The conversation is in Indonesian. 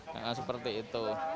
nah seperti itu